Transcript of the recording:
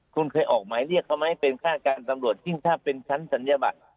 คุณเคยออกหมายเรียกเขาไหมเป็นฆาตการตำรวจยิ่งถ้าเป็นชั้นศัลยบัตร